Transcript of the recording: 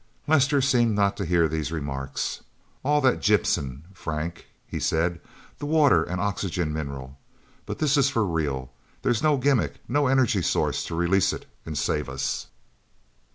Lester seemed not to hear these remarks. "All that gypsum, Frank," he said. "The water and oxygen mineral. But this is for real. There's no gimmick no energy source to release it and save us..."